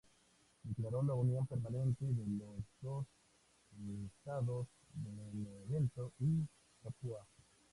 Declaró la unión permanente de los dos estados, Benevento y Capua.